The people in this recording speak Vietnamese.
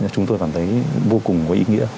chúng tôi cảm thấy vô cùng có ý nghĩa